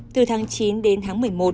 từ tháng chín đến tháng một mươi một